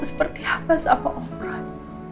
seperti apa sama om roy